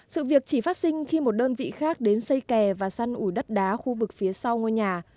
sự việc chỉ phát sinh khi một đơn vị khác đến xây kè và săn ủi đất đá khu vực phía sau ngôi nhà